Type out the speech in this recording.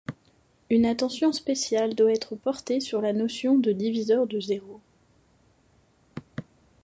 Une attention spéciale doit être portée sur la notion de diviseur de zéro.